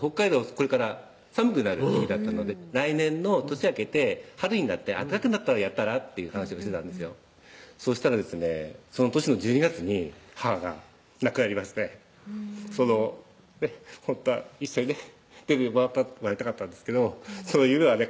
これから寒くなる時季だったので来年の年明けて春になって暖かくなったらやったら？っていう話をしてたんですよそしたらですねその年の１２月に母が亡くなりましてほんとは一緒にね出てもらいたかったんですけどその夢はね